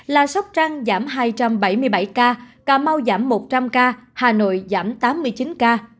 là sóc trăng giảm hai trăm bảy mươi bảy ca cà mau giảm một trăm linh ca hà nội giảm tám mươi chín ca